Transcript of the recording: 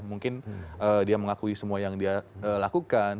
mungkin dia mengakui semua yang dia lakukan